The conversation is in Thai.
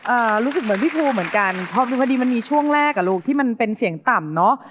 รู้สึกเหมือนพี่ภูเหมือนกันพอดูพอดีมันมีช่วงแรกอ่ะลูกที่มันเป็นเสียงต่ำเนอะ